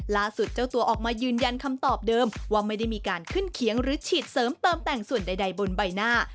เจ้าตัวออกมายืนยันคำตอบเดิมว่าไม่ได้มีการขึ้นเคียงหรือฉีดเสริมเติมแต่งส่วนใดบนใบหน้า